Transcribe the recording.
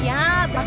iya pasti hebat